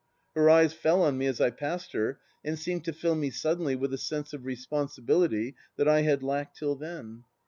Her eyes fell on me as I passed her and seemed to fill me suddenly with a sense of responsibility that I had lacked till then.